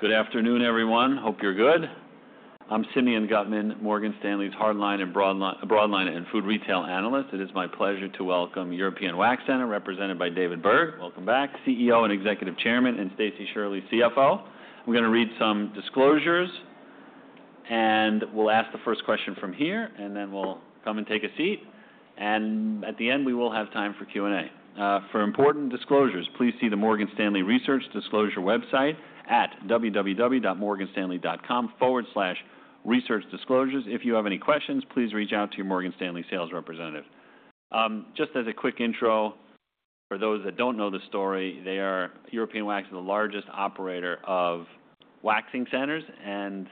Good afternoon, everyone. Hope you're good. I'm Simeon Gutman, Morgan Stanley's Hardline and Broadline and Food Retail Analyst. It is my pleasure to welcome European Wax Center, represented by David Berg, welcome back, CEO and Executive Chairman, and Stacie Shirley, CFO. We're going to read some disclosures, and we'll ask the first question from here, and then we'll come and take a seat, and at the end, we will have time for Q&A. For important disclosures, please see the Morgan Stanley Research Disclosure website at www.morganstanley.com/researchdisclosures. If you have any questions, please reach out to your Morgan Stanley's sales representative. Just as a quick intro, for those that don't know the story, European Wax is the largest operator of waxing centers and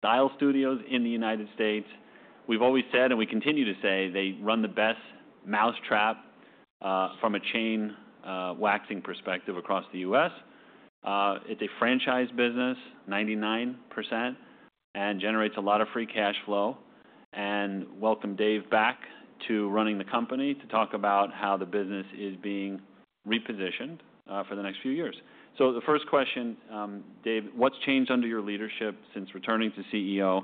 style studios in the United States. We've always said, and we continue to say, they run the best mousetrap from a chain waxing perspective across the U.S. It's a franchise business, 99%, and generates a lot of free cash flow. And welcome Dave back to running the company to talk about how the business is being repositioned for the next few years. So the first question, Dave, what's changed under your leadership since returning to CEO?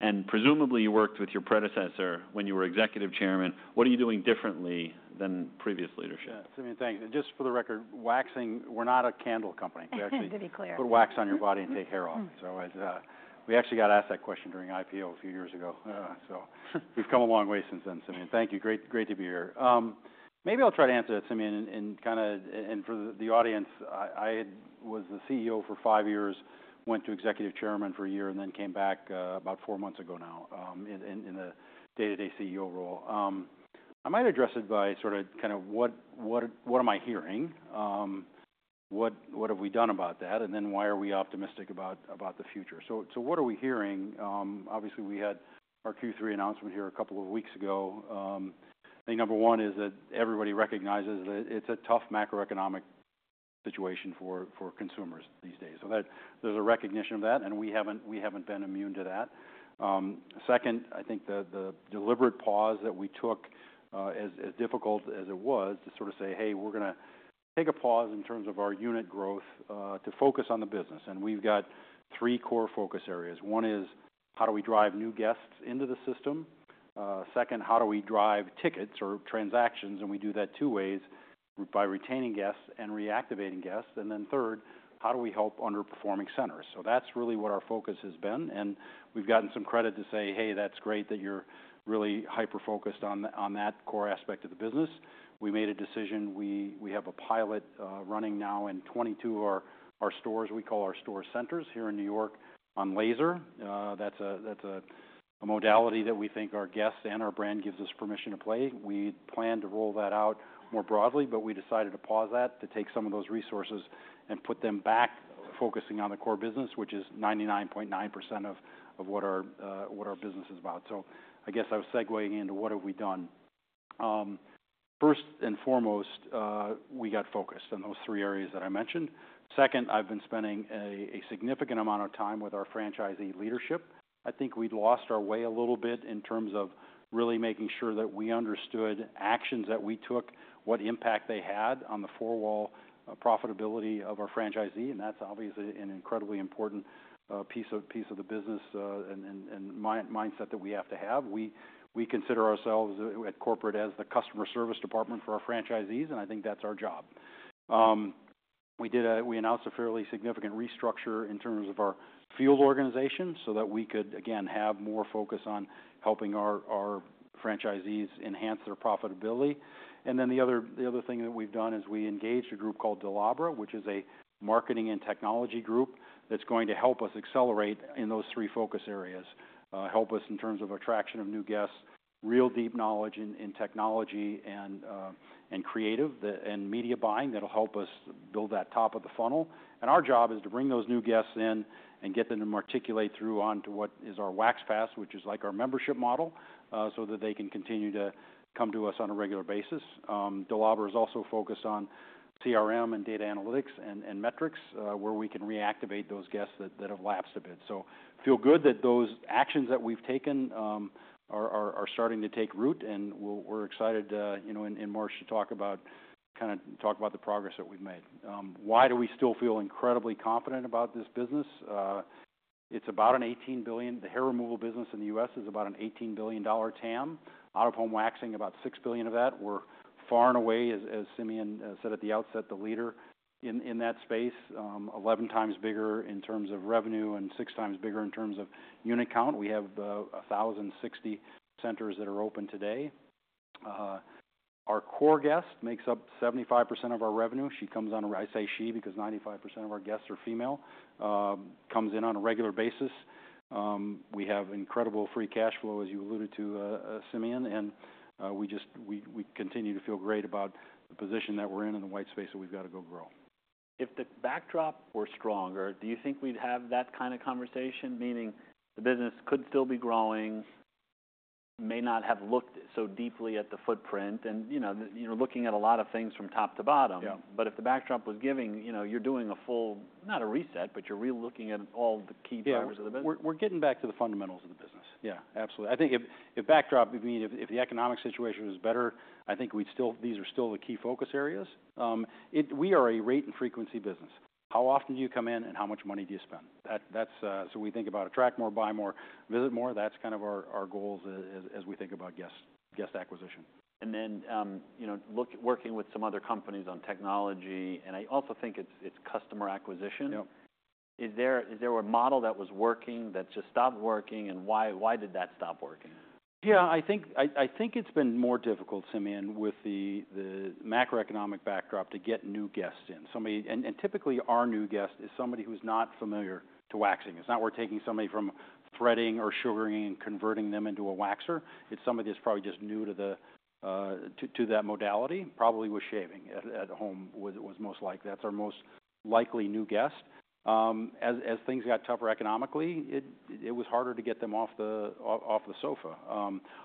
And presumably, you worked with your predecessor when you were Executive Chairman. What are you doing differently than previous leadership? Simeon, thank you. Just for the record, waxing, we're not a candle company. We actually. I think to be clear. Put wax on your body and take hair off. So we actually got asked that question during IPO a few years ago. So we've come a long way since then, Simeon. Thank you. Great to be here. Maybe I'll try to answer that, Simeon, and kind of for the audience, I was the CEO for five years, went to Executive Chairman for a year, and then came back about four months ago now in the day-to-day CEO role. I might address it by sort of kind of what am I hearing? What have we done about that? And then why are we optimistic about the future? So what are we hearing? Obviously, we had our Q3 announcement here a couple of weeks ago. I think number one is that everybody recognizes that it's a tough macroeconomic situation for consumers these days. So there's a recognition of that, and we haven't been immune to that. Second, I think the deliberate pause that we took, as difficult as it was, to sort of say, hey, we're going to take a pause in terms of our unit growth to focus on the business. And we've got three core focus areas. One is, how do we drive new guests into the system? Second, how do we drive tickets or transactions? And we do that two ways, by retaining guests and reactivating guests. And then third, how do we help underperforming centers? So that's really what our focus has been. And we've gotten some credit to say, hey, that's great that you're really hyper-focused on that core aspect of the business. We made a decision. We have a pilot running now in 22 of our stores. We call our store Centers here in New York on laser. That's a modality that we think our guests and our brand gives us permission to play. We plan to roll that out more broadly, but we decided to pause that to take some of those resources and put them back, focusing on the core business, which is 99.9% of what our business is about. So I guess I was segueing into what have we done. First and foremost, we got focused on those three areas that I mentioned. Second, I've been spending a significant amount of time with our franchisee leadership. I think we'd lost our way a little bit in terms of really making sure that we understood actions that we took, what impact they had on the Four-Wall Profitability of our franchisee. That's obviously an incredibly important piece of the business and mindset that we have to have. We consider ourselves at corporate as the customer service department for our franchisees, and I think that's our job. We announced a fairly significant restructure in terms of our field organization so that we could, again, have more focus on helping our franchisees enhance their profitability. The other thing that we've done is we engaged a group called Dolabra, which is a marketing and technology group that's going to help us accelerate in those three focus areas, help us in terms of attraction of new guests, real deep knowledge in technology and creative and media buying that'll help us build that top of the funnel. And our job is to bring those new guests in and get them to latch onto what is our Wax Pass, which is like our membership model, so that they can continue to come to us on a regular basis. Dolabra is also focused on CRM and Data Analytics and Metrics where we can reactivate those guests that have lapsed a bit. So feel good that those actions that we've taken are starting to take root, and we're excited in March to talk about kind of the progress that we've made. Why do we still feel incredibly confident about this business? It's about an $18 billion. The hair removal business in the U.S. is about an $18 billion TAM. Out-of-home waxing, about $6 billion of that. We're far and away, as Simeon said at the outset, the leader in that space, 11x bigger in terms of revenue and 6x bigger in terms of unit count. We have 1,060 centers that are open today. Our core guest makes up 75% of our revenue. She comes on a - I say she because 95% of our guests are female - comes in on a regular basis. We have incredible free cash flow, as you alluded to, Simeon, and we continue to feel great about the position that we're in and the white space that we've got to go grow. If the backdrop were stronger, do you think we'd have that kind of conversation, meaning the business could still be growing, may not have looked so deeply at the footprint and looking at a lot of things from top to bottom? But if the backdrop was giving, you're doing a full, not a reset, but you're really looking at all the key drivers of the business. Yeah. We're getting back to the fundamentals of the business. Yeah, absolutely. I think, I mean, if the economic situation was better, I think these are still the key focus areas. We are a rate and frequency business. How often do you come in, and how much money do you spend? So we think about attract more, buy more, visit more. That's kind of our goals as we think about guest acquisition. And then working with some other companies on technology, and I also think it's customer acquisition. Is there a model that was working that just stopped working, and why did that stop working? Yeah. I think it's been more difficult, Simeon, with the macroeconomic backdrop to get new guests in, and typically, our new guest is somebody who's not familiar to waxing. It's not we're taking somebody from threading or sugaring and converting them into a waxer. It's somebody that's probably just new to that modality, probably was shaving at home was most likely. That's our most likely new guest. As things got tougher economically, it was harder to get them off the sofa.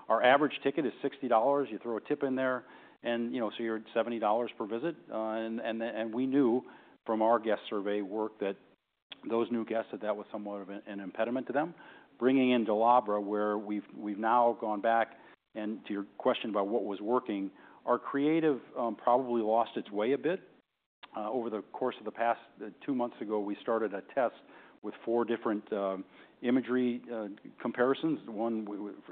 Our average ticket is $60. You throw a tip in there, and so you're at $70 per visit. We knew from our guest survey work that those new guests, that was somewhat of an impediment to them. Bringing in Dolabra, where we've now gone back, and to your question about what was working, our creative probably lost its way a bit over the course of the past. Two months ago, we started a test with four different imagery comparisons,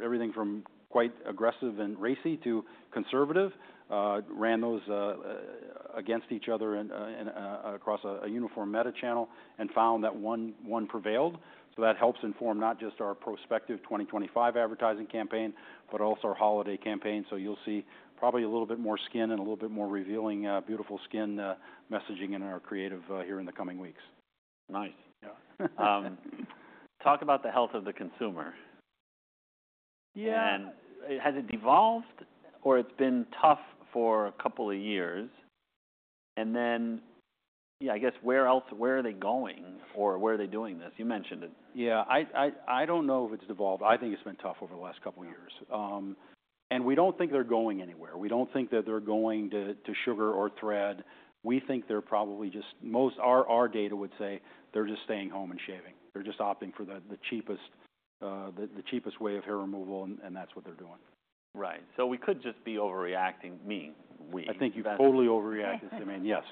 everything from quite aggressive and racy to conservative. Ran those against each other across a uniform Meta channel and found that one prevailed. So that helps inform not just our prospective 2025 advertising campaign, but also our holiday campaign. So you'll see probably a little bit more skin and a little bit more revealing, beautiful skin messaging in our creative here in the coming weeks. Nice. Talk about the health of the consumer. Has it devolved, or it's been tough for a couple of years? And then, yeah, I guess where else, where are they going, or where are they doing this? You mentioned it. Yeah. I don't know if it's devolved. I think it's been tough over the last couple of years. And we don't think they're going anywhere. We don't think that they're going to sugar or thread. We think they're probably just, most our data would say they're just staying home and shaving. They're just opting for the cheapest way of hair removal, and that's what they're doing. Right. So we could just be overreacting, meaning we. I think you've totally overreacted, Simeon. Yes.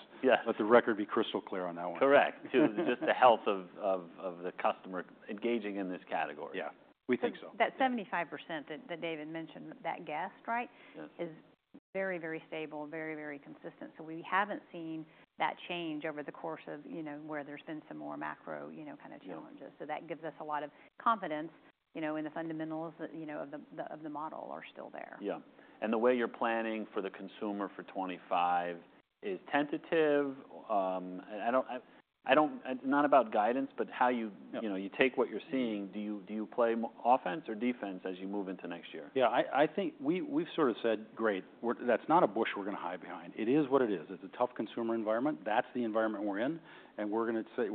Let the record be crystal clear on that one. Correct. Just the health of the customer engaging in this category. Yeah. We think so. That 75% that David mentioned, that guest, right, is very, very stable, very, very consistent. So we haven't seen that change over the course of where there's been some more macro kind of challenges. So that gives us a lot of confidence in the fundamentals of the model are still there. Yeah. And the way you're planning for the consumer for 2025 is tentative. It's not about guidance, but how you take what you're seeing. Do you play offense or defense as you move into next year? Yeah. I think we've sort of said, "Great. That's not a bush we're going to hide behind." It is what it is. It's a tough consumer environment. That's the environment we're in. And we're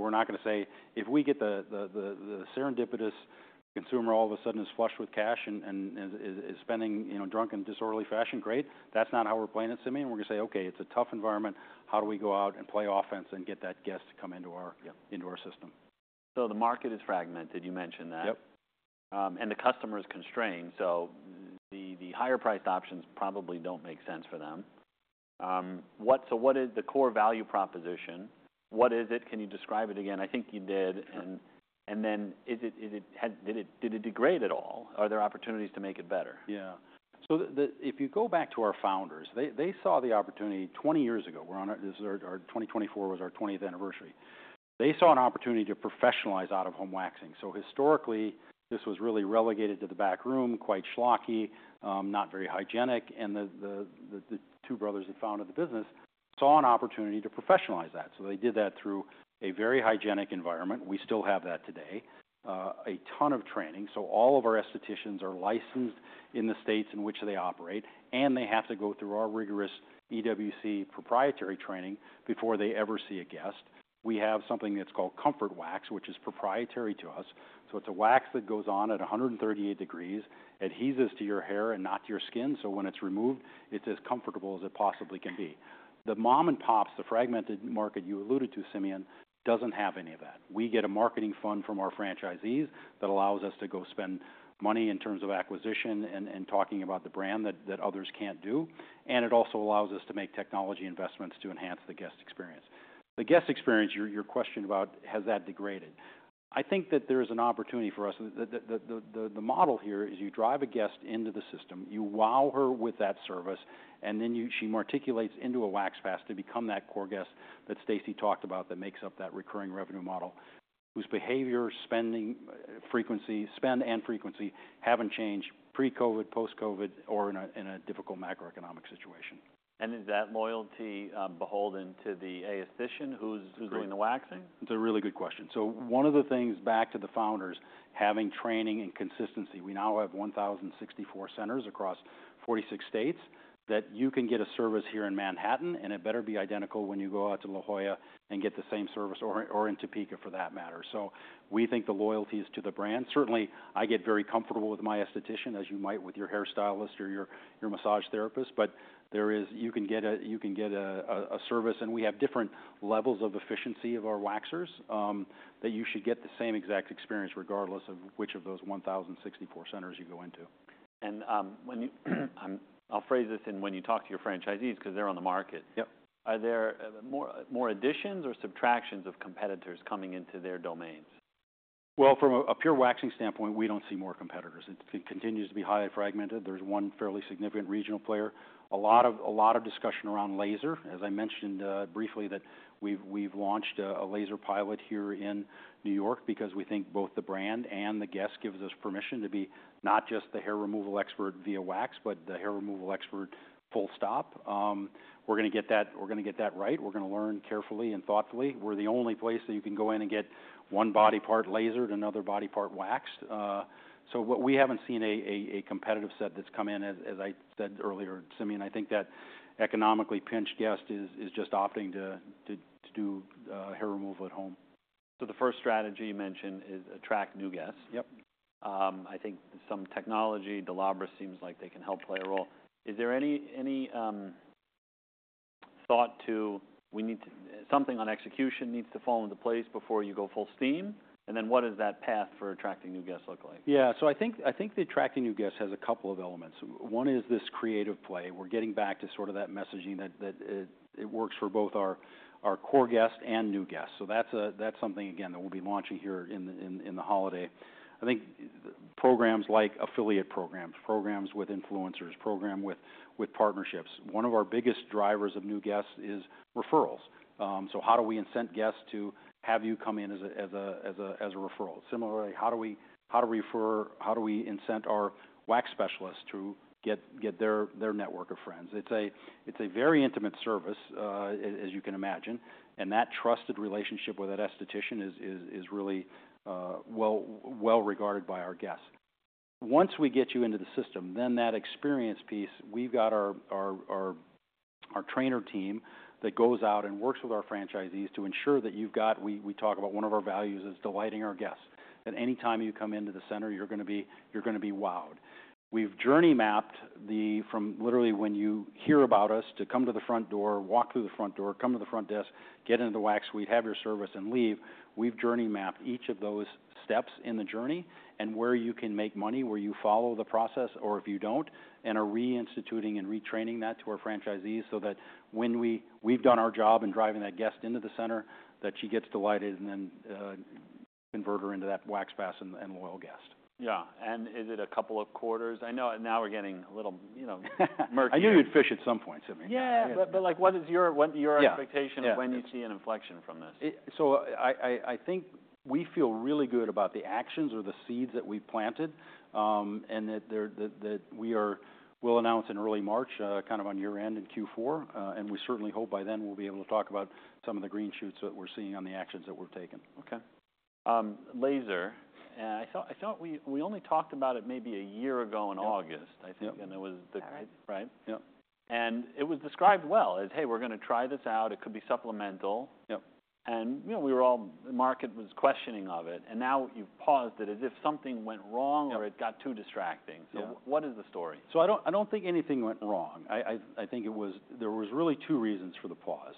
not going to say, "If we get the serendipitous consumer all of a sudden is flushed with cash and is spending drunk in disorderly fashion, great." That's not how we're playing it, Simeon. We're going to say, "Okay. It's a tough environment. How do we go out and play offense and get that guest to come into our system? So the market is fragmented. You mentioned that. And the customer is constrained. So the higher-priced options probably don't make sense for them. So what is the core value proposition? What is it? Can you describe it again? I think you did. And then did it degrade at all? Are there opportunities to make it better? Yeah. So if you go back to our founders, they saw the opportunity 20 years ago. 2024 was our 20th anniversary. They saw an opportunity to professionalize out-of-home waxing. So historically, this was really relegated to the back room, quite schlocky, not very hygienic. And the two brothers who founded the business saw an opportunity to professionalize that. So they did that through a very hygienic environment. We still have that today. A ton of training. So all of our estheticians are licensed in the states in which they operate, and they have to go through our rigorous EWC proprietary training before they ever see a guest. We have something that's called Comfort Wax, which is proprietary to us. So it's a wax that goes on at 138 degrees, adheres to your hair and not to your skin. So when it's removed, it's as comfortable as it possibly can be. The mom-and-pops, the fragmented market you alluded to, Simeon, doesn't have any of that. We get a marketing fund from our franchisees that allows us to go spend money in terms of acquisition and talking about the brand that others can't do. And it also allows us to make technology investments to enhance the guest experience. The guest experience, your question about, has that degraded. I think that there is an opportunity for us. The model here is you drive a guest into the system, you wow her with that service, and then she articulates into a Wax Pass to become that core guest that Stacie talked about that makes up that recurring revenue model whose behavior, spend and frequency haven't changed pre-COVID, post-COVID, or in a difficult macroeconomic situation. Is that loyalty beholden to the aesthetician who's doing the waxing? It's a really good question. So one of the things back to the founders, having training and consistency. We now have 1,064 centers across 46 states that you can get a service here in Manhattan, and it better be identical when you go out to La Jolla and get the same service or in Topeka for that matter. So we think the loyalty is to the brand. Certainly, I get very comfortable with my esthetician, as you might with your hairstylist or your massage therapist, but you can get a service. And we have different levels of efficiency of our waxers that you should get the same exact experience regardless of which of those 1,064 centers you go into. I'll phrase this in when you talk to your franchisees because they're on the market. Are there more additions or subtractions of competitors coming into their domains? From a pure waxing standpoint, we don't see more competitors. It continues to be highly fragmented. There's one fairly significant regional player. A lot of discussion around laser. As I mentioned briefly, that we've launched a laser pilot here in New York because we think both the brand and the guest gives us permission to be not just the hair removal expert via wax, but the hair removal expert full stop. We're going to get that. We're going to get that right. We're going to learn carefully and thoughtfully. We're the only place that you can go in and get one body part lasered, another body part waxed. So we haven't seen a competitive set that's come in, as I said earlier, Simeon. I think that economically pinched guest is just opting to do hair removal at home. So the first strategy you mentioned is attract new guests. I think some technology, Dolabra, seems like they can help play a role. Is there any thought to something on execution needs to fall into place before you go full steam? And then what does that path for attracting new guests look like? Yeah. So I think attracting new guests has a couple of elements. One is this creative play. We're getting back to sort of that messaging that it works for both our core guests and new guests. So that's something, again, that we'll be launching here in the holiday. I think programs like affiliate programs, programs with influencers, programs with partnerships. One of our biggest drivers of new guests is referrals. So how do we incent guests to have you come in as a referral? Similarly, how do we incent our wax specialists to get their network of friends? It's a very intimate service, as you can imagine. And that trusted relationship with that esthetician is really well regarded by our guests. Once we get you into the system, then that experience piece. We've got our trainer team that goes out and works with our franchisees to ensure that you've got. We talk about one of our values is delighting our guests. At any time you come into the center, you're going to be wowed. We've journey mapped from literally when you hear about us to come to the front door, walk through the front door, come to the front desk, get into the wax suite, have your service, and leave. We've journey mapped each of those steps in the journey and where you can make money, where you follow the process or if you don't, and are reinstituting and retraining that to our franchisees so that when we've done our job in driving that guest into the center, that she gets delighted and then convert her into that Wax Pass and loyal guest. Yeah, and is it a couple of quarters? I know now we're getting a little murky. I knew you'd fish at some point, Simeon. Yeah. But what is your expectation of when you see an inflection from this? So, I think we feel really good about the actions or the seeds that we've planted and that we will announce in early March, kind of on your end in Q4. And we certainly hope by then we'll be able to talk about some of the green shoots that we're seeing on the actions that we've taken. Okay. Laser. I thought we only talked about it maybe a year ago in August, I think, and it was the right? Yeah. And it was described well as, "Hey, we're going to try this out. It could be supplemental." And we were all, the market was questioning of it. And now you've paused it as if something went wrong or it got too distracting. So what is the story? So I don't think anything went wrong. I think there were really two reasons for the pause.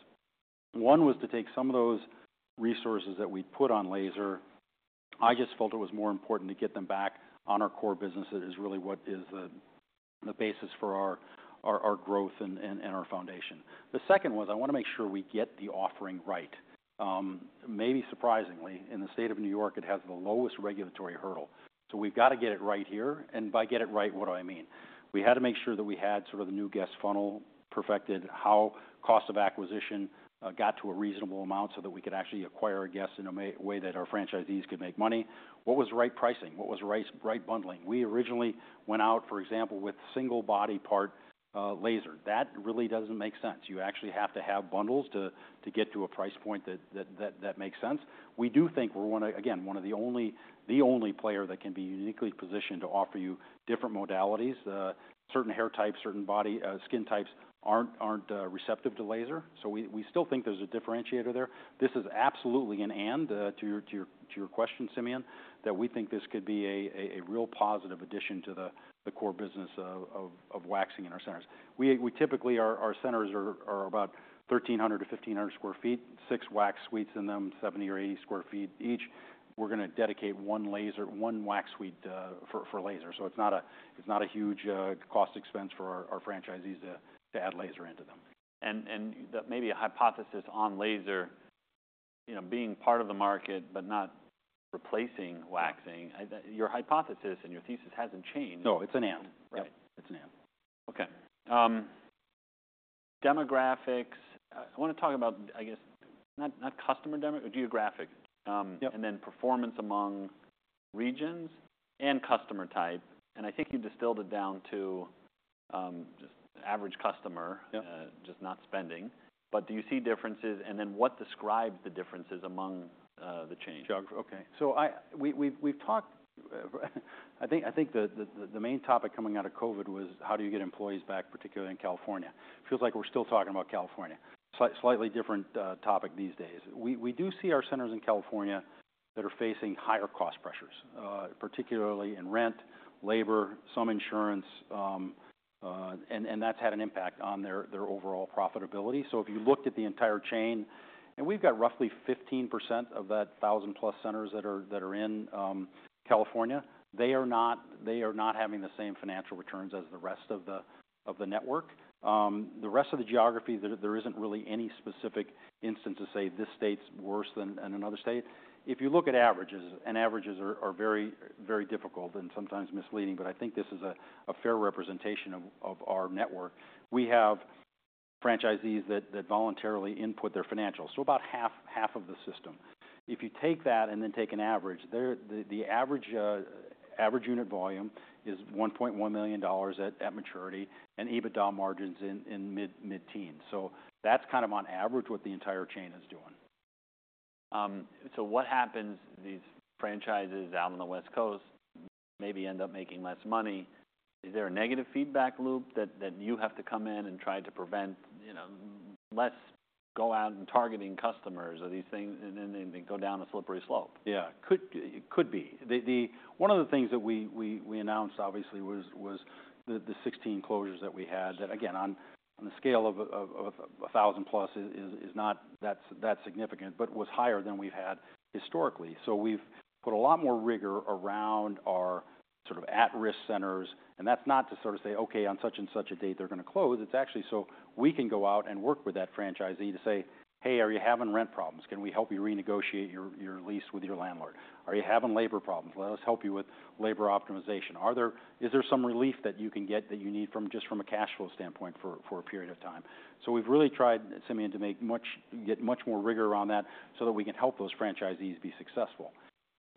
One was to take some of those resources that we'd put on laser. I just felt it was more important to get them back on our core business. It is really what is the basis for our growth and our foundation. The second was I want to make sure we get the offering right. Maybe surprisingly, in the state of New York, it has the lowest regulatory hurdle. So we've got to get it right here. And by get it right, what do I mean? We had to make sure that we had sort of the new guest funnel perfected, how cost of acquisition got to a reasonable amount so that we could actually acquire a guest in a way that our franchisees could make money. What was right pricing? What was right bundling? We originally went out, for example, with single body part laser. That really doesn't make sense. You actually have to have bundles to get to a price point that makes sense. We do think we're one of, again, one of the only players that can be uniquely positioned to offer you different modalities. Certain hair types, certain skin types aren't receptive to laser. So we still think there's a differentiator there. This is absolutely an and to your question, Simeon, that we think this could be a real positive addition to the core business of waxing in our centers. Typically, our centers are about 1,300 sq ft-1,500 sq ft, six wax suites in them, 70 sq ft or 80 sq ft each. We're going to dedicate one wax suite for laser. So it's not a huge cost expense for our franchisees to add laser into them. And maybe a hypothesis on laser being part of the market, but not replacing waxing. Your hypothesis and your thesis hasn't changed. No, it's an and. Right. It's an and. Okay. Demographics. I want to talk about, I guess, not customer, geographic, and then performance among regions and customer type. And I think you distilled it down to just average customer, just not spending. But do you see differences? And then what describes the differences among the change? Geography. Okay. So we've talked, I think the main topic coming out of COVID was how do you get employees back, particularly in California? It feels like we're still talking about California. Slightly different topic these days. We do see our centers in California that are facing higher cost pressures, particularly in rent, labor, some insurance, and that's had an impact on their overall profitability. So if you looked at the entire chain, and we've got roughly 15% of that 1,000-plus centers that are in California, they are not having the same financial returns as the rest of the network. The rest of the geography, there isn't really any specific instance to say this state's worse than another state. If you look at averages, and averages are very difficult and sometimes misleading, but I think this is a fair representation of our network. We have franchisees that voluntarily input their financials. So about half of the system. If you take that and then take an average, the average unit volume is $1.1 million at maturity and EBITDA margins in mid-teens. So that's kind of on average what the entire chain is doing. So what happens? These franchises out on the West Coast maybe end up making less money. Is there a negative feedback loop that you have to come in and try to prevent less go out and targeting customers or these things and then they go down a slippery slope? Yeah. Could be. One of the things that we announced, obviously, was the 16 closures that we had that, again, on the scale of 1,000-plus is not that significant, but was higher than we've had historically. So we've put a lot more rigor around our sort of at-risk centers. And that's not to sort of say, "Okay, on such and such a date, they're going to close." It's actually so we can go out and work with that franchisee to say, "Hey, are you having rent problems? Can we help you renegotiate your lease with your landlord? Are you having labor problems? Let us help you with labor optimization. Is there some relief that you can get that you need just from a cash flow standpoint for a period of time?" So we've really tried, Simeon, to get much more rigor around that so that we can help those franchisees be successful.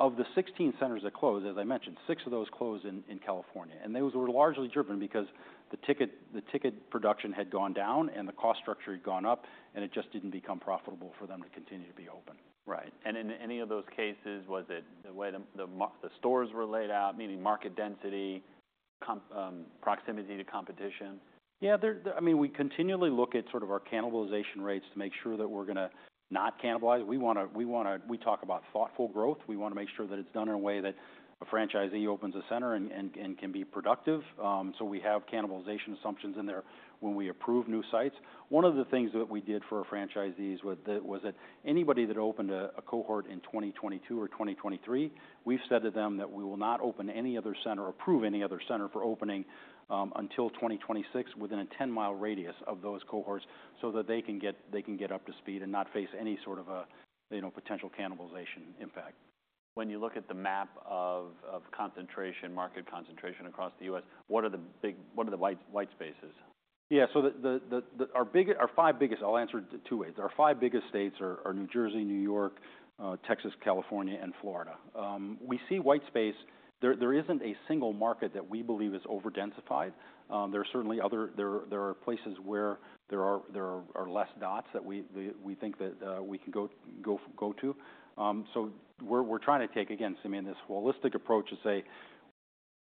Of the 16 centers that closed, as I mentioned, six of those closed in California. And those were largely driven because the ticket production had gone down and the cost structure had gone up, and it just didn't become profitable for them to continue to be open. Right. And in any of those cases, was it the way the stores were laid out, meaning market density, proximity to competition? Yeah. I mean, we continually look at sort of our cannibalization rates to make sure that we're going to not cannibalize. We talk about thoughtful growth. We want to make sure that it's done in a way that a franchisee opens a center and can be productive. So we have cannibalization assumptions in there when we approve new sites. One of the things that we did for our franchisees was that anybody that opened a cohort in 2022 or 2023, we've said to them that we will not open any other center or approve any other center for opening until 2026 within a 10-mi radius of those cohorts so that they can get up to speed and not face any sort of potential cannibalization impact. When you look at the map of market concentration across the U.S., what are the white spaces? Yeah. So our five biggest. I'll answer it two ways. Our five biggest states are New Jersey, New York, Texas, California, and Florida. We see white space. There isn't a single market that we believe is over-densified. There are places where there are less dots that we think that we can go to. So we're trying to take, again, Simeon, this holistic approach to say,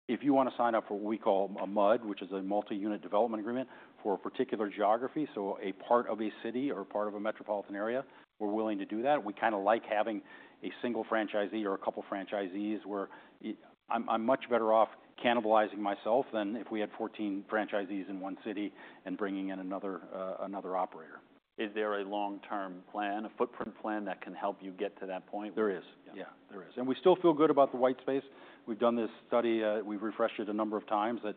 "If you want to sign up for what we call a MUD, which is a Multi-Unit Development agreement for a particular geography, so a part of a city or part of a metropolitan area, we're willing to do that." We kind of like having a single franchisee or a couple of franchisees. I'm much better off cannibalizing myself than if we had 14 franchisees in one city and bringing in another operator. Is there a long-term plan, a footprint plan that can help you get to that point? There is. Yeah. There is. And we still feel good about the white space. We've done this study. We've refreshed it a number of times that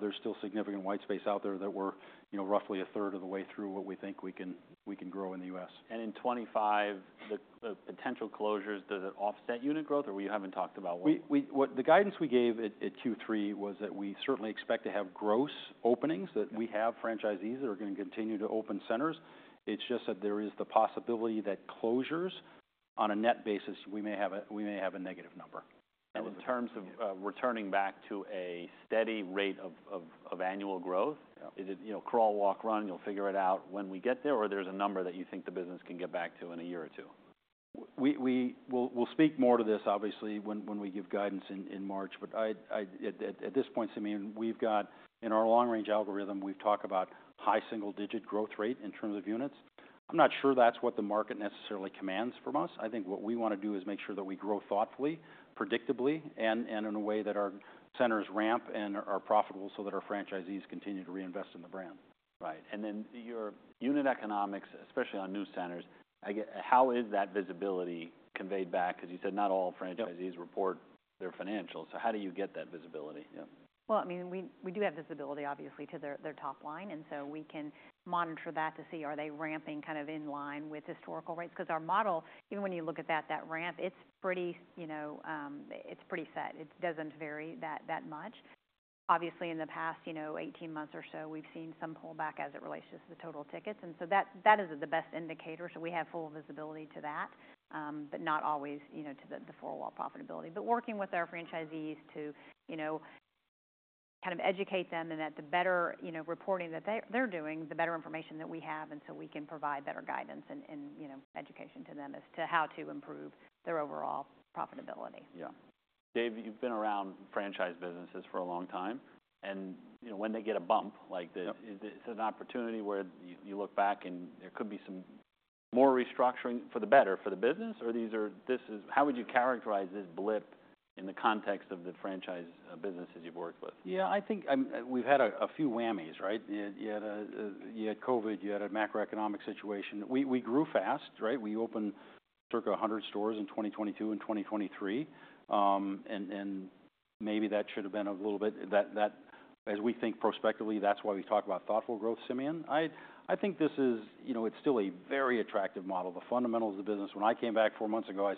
there's still significant white space out there that we're roughly a third of the way through what we think we can grow in the U.S. In 2025, the potential closures, does it offset unit growth or we haven't talked about what? The guidance we gave at Q3 was that we certainly expect to have gross openings, that we have franchisees that are going to continue to open centers. It's just that there is the possibility that closures on a net basis, we may have a negative number. In terms of returning back to a steady rate of annual growth, is it crawl, walk, run, you'll figure it out when we get there, or there's a number that you think the business can get back to in a year or two? We'll speak more to this, obviously, when we give guidance in March. But at this point, Simeon, we've got in our long-range algorithm, we've talked about high single-digit growth rate in terms of units. I'm not sure that's what the market necessarily commands from us. I think what we want to do is make sure that we grow thoughtfully, predictably, and in a way that our centers ramp and are profitable so that our franchisees continue to reinvest in the brand. Right. And then your unit economics, especially on new centers, how is that visibility conveyed back? Because you said not all franchisees report their financials. So how do you get that visibility? I mean, we do have visibility, obviously, to their top line. And so we can monitor that to see are they ramping kind of in line with historical rates? Because our model, even when you look at that ramp, it's pretty set. It doesn't vary that much. Obviously, in the past 18 months or so, we've seen some pullback as it relates to the total tickets. And so that is the best indicator. So we have full visibility to that, but not always to the Four-Wall Profitability. But working with our franchisees to kind of educate them and that the better reporting that they're doing, the better information that we have. And so we can provide better guidance and education to them as to how to improve their overall profitability. Yeah. David, you've been around franchise businesses for a long time, and when they get a bump, is it an opportunity where you look back and there could be some more restructuring for the better for the business? Or how would you characterize this blip in the context of the franchise businesses you've worked with? Yeah. I think we've had a few whammies, right? You had COVID. You had a macroeconomic situation. We grew fast, right? We opened circa 100 stores in 2022 and 2023. And maybe that should have been a little bit, as we think prospectively, that's why we talk about thoughtful growth, Simeon. I think this is still a very attractive model. The fundamentals of the business. When I came back four months ago, I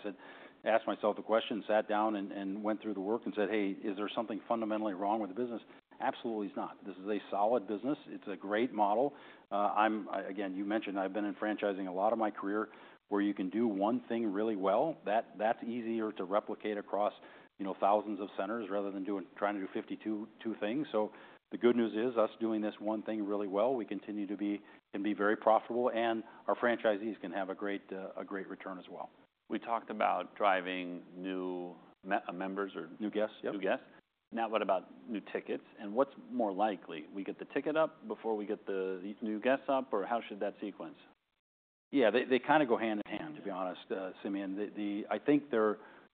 asked myself the question, sat down, and went through the work and said, "Hey, is there something fundamentally wrong with the business?" Absolutely not. This is a solid business. It's a great model. Again, you mentioned I've been in franchising a lot of my career where you can do one thing really well. That's easier to replicate across thousands of centers rather than trying to do 52 things. So the good news is us doing this one thing really well, we continue to be very profitable, and our franchisees can have a great return as well. We talked about driving new members or new guests. Now, what about new tickets? And what's more likely? We get the ticket up before we get the new guests up, or how should that sequence? Yeah. They kind of go hand-in-hand, to be honest, Simeon. I think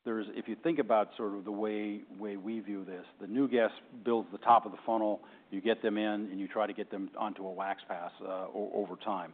if you think about sort of the way we view this, the new guest builds the top of the funnel. You get them in, and you try to get them onto a wax pass over time.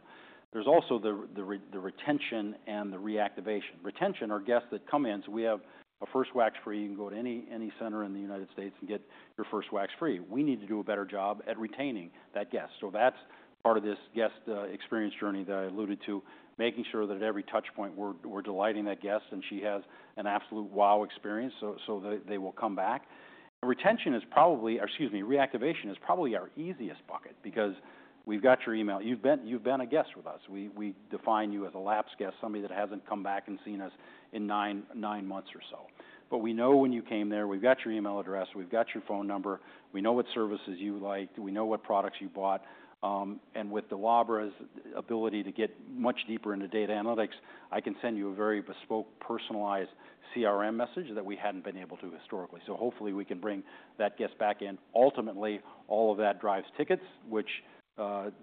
There's also the retention and the reactivation. Retention are guests that come in. So we have a first wax free. You can go to any center in the United States and get your first wax free. We need to do a better job at retaining that guest. So that's part of this guest experience journey that I alluded to, making sure that at every touchpoint, we're delighting that guest and she has an absolute wow experience so they will come back. Retention is probably - or excuse me, reactivation is probably our easiest bucket because we've got your email. You've been a guest with us. We define you as a lapsed guest, somebody that hasn't come back and seen us in nine months or so. But we know when you came there, we've got your email address. We've got your phone number. We know what services you like. We know what products you bought. And with Dolabra's ability to get much deeper into data analytics, I can send you a very bespoke, personalized CRM message that we hadn't been able to historically. So hopefully, we can bring that guest back in. Ultimately, all of that drives tickets, which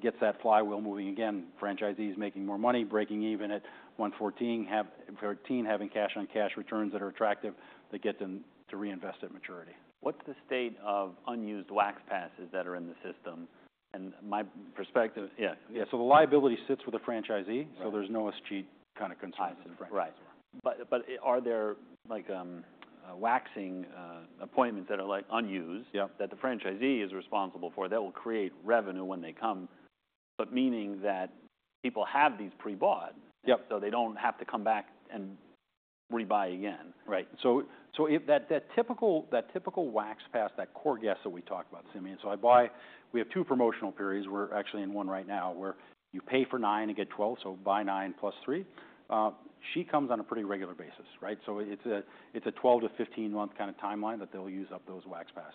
gets that flywheel moving. Again, franchisees making more money, breaking even at 114, having cash-on-cash returns that are attractive that get them to reinvest at maturity. What's the state of unused Wax Passes that are in the system? And my perspective, yeah. Yeah. So the liability sits with the franchisee. So there's no lawsuit kind of consensus. Right. But are there waxing appointments that are unused that the franchisee is responsible for that will create revenue when they come? But meaning that people have these pre-bought so they don't have to come back and rebuy again. Right. So that typical Wax Pass, that core guest that we talked about, Simeon—so we have two promotional periods. We're actually in one right now where you pay for nine and get 12. So buy 9 + 3 She comes on a pretty regular basis, right? So it's a 12-15-month kind of timeline that they'll use up those Wax Pass.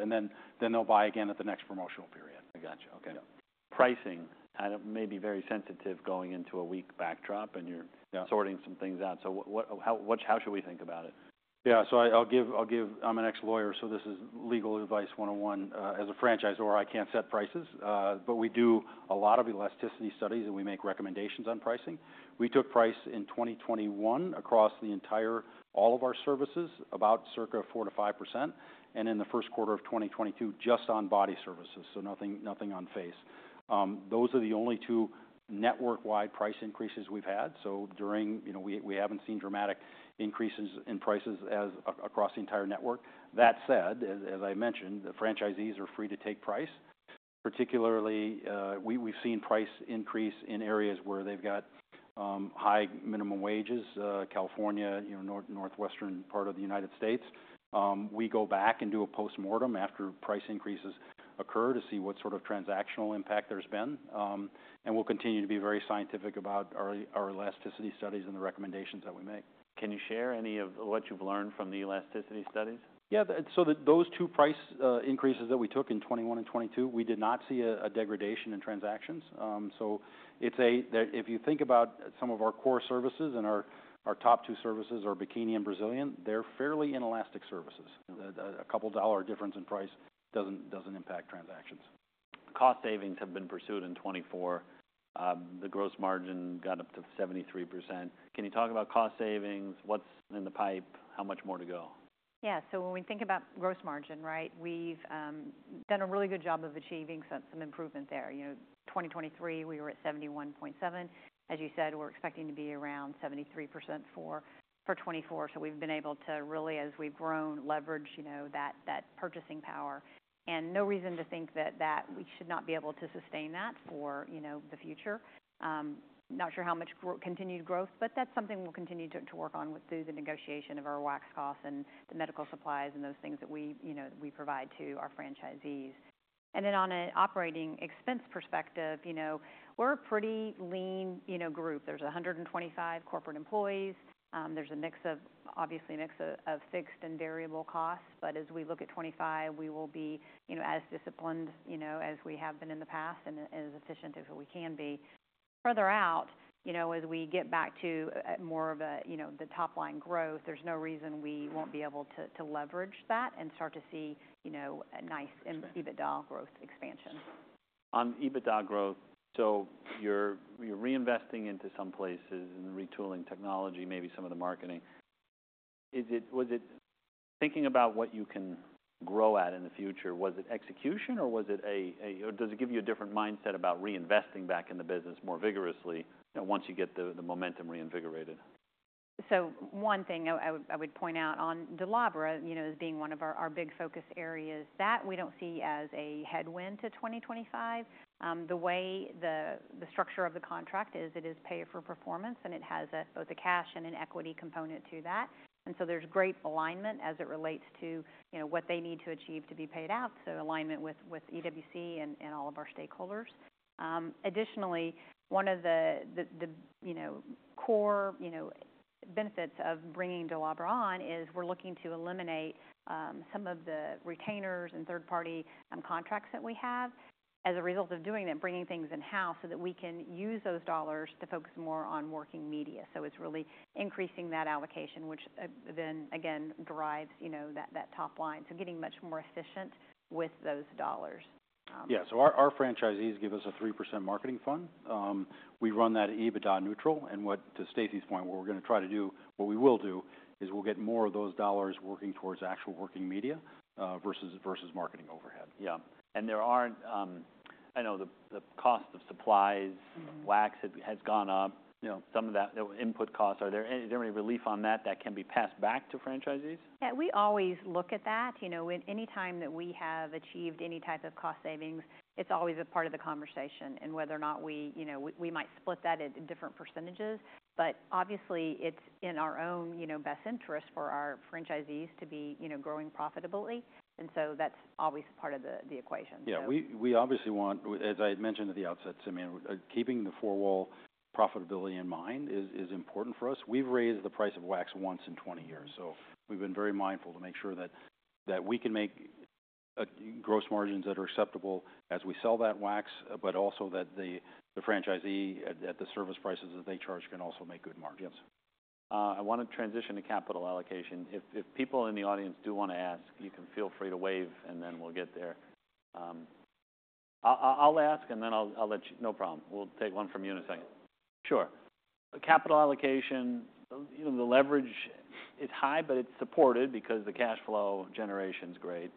And then they'll buy again at the next promotional period. I gotcha. Okay. Pricing may be very sensitive going into a weak backdrop, and you're sorting some things out. So how should we think about it? Yeah. So I'll give, I'm an ex-lawyer, so this is Legal Advice 101. As a franchisor, I can't set prices, but we do a lot of elasticity studies, and we make recommendations on pricing. We took price in 2021 across all of our services about circa 4%-5%. And in the first quarter of 2022, just on body services, so nothing on face. Those are the only two network-wide price increases we've had. So we haven't seen dramatic increases in prices across the entire network. That said, as I mentioned, the franchisees are free to take price. Particularly, we've seen price increase in areas where they've got high minimum wages: California, northwestern part of the United States. We go back and do a postmortem after price increases occur to see what sort of transactional impact there's been. We'll continue to be very scientific about our elasticity studies and the recommendations that we make. Can you share any of what you've learned from the elasticity studies? Those two price increases that we took in 2021 and 2022, we did not see a degradation in transactions. If you think about some of our core services and our top two services, our bikini and Brazilian, they're fairly inelastic services. A couple of dollar difference in price doesn't impact transactions. Cost savings have been pursued in 2024. The gross margin got up to 73%. Can you talk about cost savings? What's in the pipe? How much more to go? Yeah. So when we think about gross margin, right, we've done a really good job of achieving some improvement there. 2023, we were at 71.7%. As you said, we're expecting to be around 73% for 2024. So we've been able to really, as we've grown, leverage that purchasing power. And no reason to think that we should not be able to sustain that for the future. Not sure how much continued growth, but that's something we'll continue to work on through the negotiation of our wax costs and the medical supplies and those things that we provide to our franchisees. And then on an operating expense perspective, we're a pretty lean group. There's 125 corporate employees. There's obviously a mix of fixed and variable costs. But as we look at 2025, we will be as disciplined as we have been in the past and as efficient as we can be. Further out, as we get back to more of the top-line growth, there's no reason we won't be able to leverage that and start to see nice EBITDA growth expansion. On EBITDA growth, so you're reinvesting into some places and retooling technology, maybe some of the marketing. Thinking about what you can grow at in the future, was it execution, or does it give you a different mindset about reinvesting back in the business more vigorously once you get the momentum reinvigorated? So one thing I would point out on Dolabra as being one of our big focus areas, that we don't see as a headwind to 2025. The way the structure of the contract is, it is pay for performance, and it has both a cash and an equity component to that. And so there's great alignment as it relates to what they need to achieve to be paid out. So alignment with EWC and all of our stakeholders. Additionally, one of the core benefits of bringing Dolabra on is we're looking to eliminate some of the retainers and third-party contracts that we have. As a result of doing that, bringing things in-house so that we can use those dollars to focus more on working media. So it's really increasing that allocation, which then, again, drives that top line. So getting much more efficient with those dollars. Yeah. So our franchisees give us a 3% marketing fund. We run that EBITDA neutral. And to Stacie's point, what we're going to try to do, what we will do, is we'll get more of those dollars working towards actual working media versus marketing overhead. Yeah, and I know the cost of supplies, wax has gone up. Some of that input cost, is there any relief on that that can be passed back to franchisees? Yeah. We always look at that. Anytime that we have achieved any type of cost savings, it's always a part of the conversation. And whether or not we might split that at different percentages, but obviously, it's in our own best interest for our franchisees to be growing profitably. And so that's always part of the equation. Yeah. We obviously want, as I had mentioned at the outset, Simeon, keeping the Four-Wall Profitability in mind is important for us. We've raised the price of wax once in 20 years. So we've been very mindful to make sure that we can make gross margins that are acceptable as we sell that wax, but also that the franchisee at the service prices that they charge can also make good margins. I want to transition to capital allocation. If people in the audience do want to ask, you can feel free to wave, and then we'll get there. I'll ask, and then I'll let you, no problem. We'll take one from you in a second. Sure. Capital allocation, the leverage is high, but it's supported because the cash flow generation is great.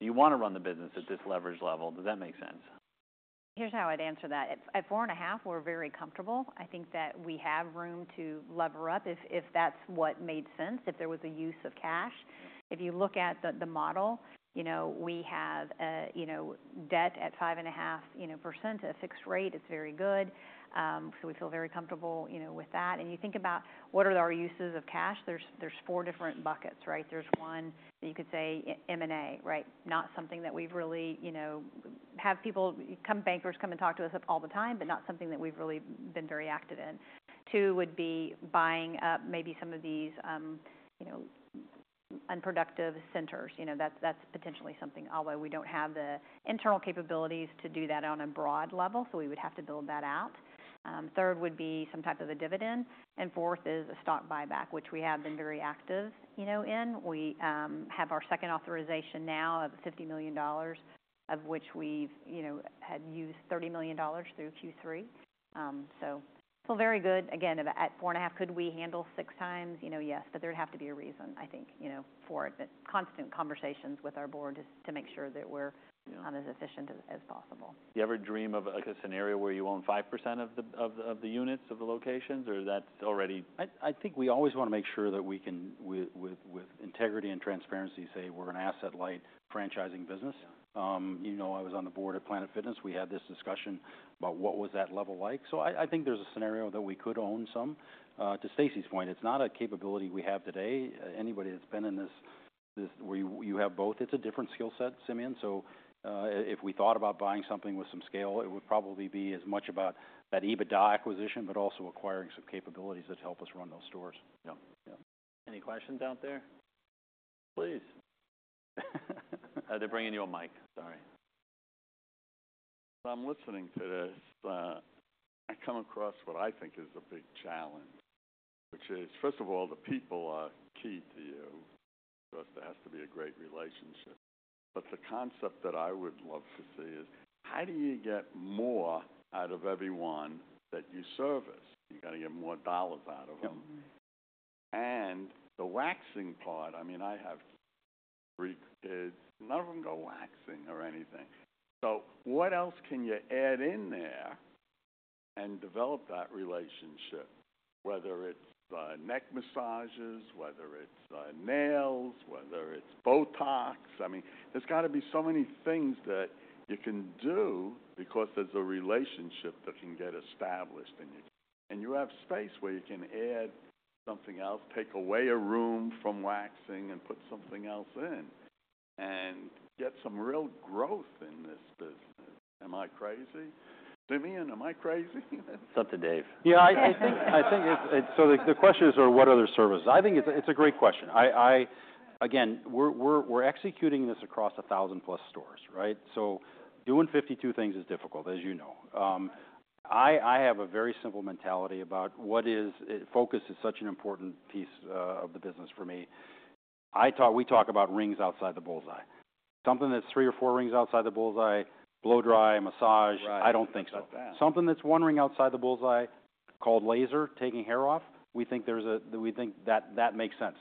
You want to run the business at this leverage level. Does that make sense? Here's how I'd answer that. At 4.5% we're very comfortable. I think that we have room to lever up if that's what made sense, if there was a use of cash. If you look at the model, we have debt at 5.5% at a fixed rate. It's very good. So we feel very comfortable with that. And you think about what are our uses of cash, there's four different buckets, right? There's one that you could say M&A, right? Not something that we've really had people, bankers come and talk to us all the time, but not something that we've really been very active in. Two would be buying up maybe some of these unproductive centers. That's potentially something although we don't have the internal capabilities to do that on a broad level, so we would have to build that out. Third would be some type of a dividend. And fourth is a stock buyback, which we have been very active in. We have our second authorization now of $50 million, of which we've used $30 million through Q3. So very good. Again, at four and a half, could we handle 6x? Yes. But there'd have to be a reason, I think, for it. Constant conversations with our board just to make sure that we're as efficient as possible. Do you ever dream of a scenario where you own 5% of the units of the locations, or that's already? I think we always want to make sure that we can, with integrity and transparency, say we're an asset-light franchising business. I was on the Board at Planet Fitness. We had this discussion about what was that level like? So I think there's a scenario that we could own some. To Stacie's point, it's not a capability we have today. Anybody that's been in this where you have both, it's a different skill set, Simeon. So if we thought about buying something with some scale, it would probably be as much about that EBITDA acquisition, but also acquiring some capabilities that help us run those stores. Yeah. Any questions out there? Please. They're bringing you a mic. Sorry. What I'm listening to is I come across what I think is a big challenge, which is, first of all, the people are key to you. So it has to be a great relationship. But the concept that I would love to see is how do you get more out of everyone that you service? You got to get more dollars out of them. And the waxing part, I mean, I have none of them go waxing or anything. So what else can you add in there and develop that relationship, whether it's neck massages, whether it's nails, whether it's Botox? I mean, there's got to be so many things that you can do because there's a relationship that can get established in you. And you have space where you can add something else, take away a room from waxing and put something else in and get some real growth in this business. Am I crazy? Simeon, am I crazy? It's up to Dave. Yeah. I think it's so the question is, what other services? I think it's a great question. Again, we're executing this across 1,000-plus stores, right? So doing 52 things is difficult, as you know. I have a very simple mentality about what is focus is such an important piece of the business for me. We talk about rings outside the bullseye. Something that's three or four rings outside the bullseye, blow dry, massage, I don't think so. Something that's one ring outside the bullseye called laser taking hair off, we think that makes sense.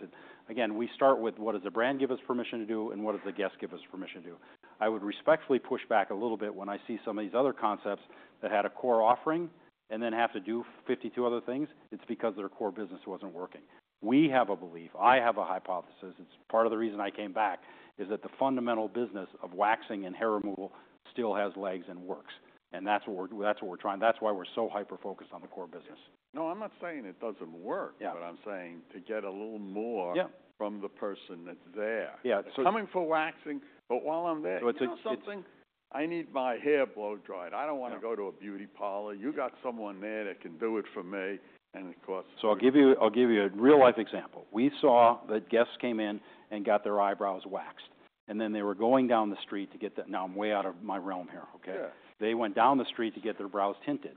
Again, we start with what does the brand give us permission to do and what does the guest give us permission to do? I would respectfully push back a little bit when I see some of these other concepts that had a core offering and then have to do 52 other things. It's because their core business wasn't working. We have a belief. I have a hypothesis. It's part of the reason I came back is that the fundamental business of waxing and hair removal still has legs and works, and that's what we're trying. That's why we're so hyper-focused on the core business. No, I'm not saying it doesn't work, but I'm saying to get a little more from the person that's there. Yeah. Coming for waxing, but while I'm there, you know something? I need my hair blow dried. I don't want to go to a beauty parlor. You got someone there that can do it for me. And of course. So I'll give you a real-life example. We saw that guests came in and got their eyebrows waxed. And then they were going down the street to get that. Now, I'm way out of my realm here, okay? They went down the street to get their brows tinted.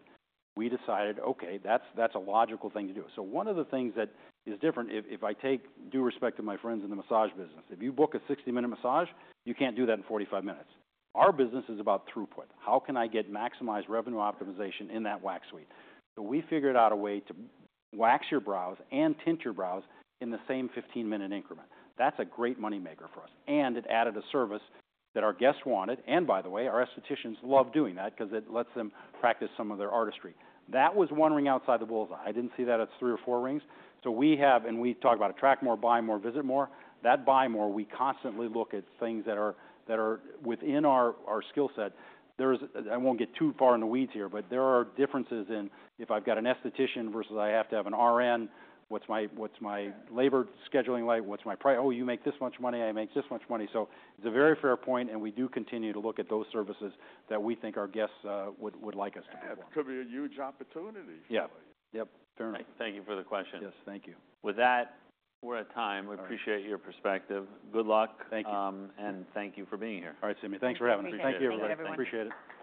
We decided, okay, that's a logical thing to do. So one of the things that is different, if I take due respect to my friends in the massage business, if you book a 60-minute massage, you can't do that in 45 minutes. Our business is about throughput. How can I get maximized revenue optimization in that wax suite? So we figured out a way to wax your brows and tint your brows in the same 15-minute increment. That's a great moneymaker for us. And it added a service that our guests wanted. And by the way, our estheticians love doing that because it lets them practice some of their artistry. That was one ring outside the bullseye. I didn't see that at three or four rings. So we have, and we talk about attract more, buy more, visit more. That buy more, we constantly look at things that are within our skill set. I won't get too far in the weeds here, but there are differences in if I've got an esthetician versus I have to have an RN, what's my labor scheduling like? What's my price? Oh, you make this much money. I make this much money. So it's a very fair point. And we do continue to look at those services that we think our guests would like us to. It could be a huge opportunity for you. Yeah. Yep. Thank you for the question. Yes. Thank you. With that, we're at time. We appreciate your perspective. Good luck. Thank you. Thank you for being here. All right, Simeon. Thanks for having me. Thank you Simeon. Appreciate it.